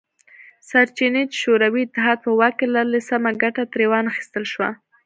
سرچینې چې شوروي اتحاد په واک کې لرلې سمه ګټه ترې وانه خیستل شوه